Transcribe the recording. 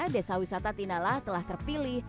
desa wisata tinala telah terpilih